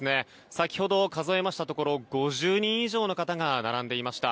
先ほど数えましたところ５０人以上の方が並んでいました。